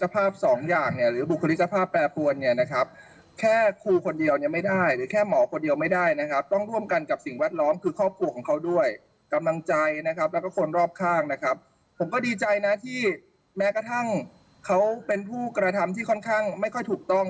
เพราะฉะนั้นถ้าเกิดเขาได้รับการปรับอย่างที่ถูกต้อง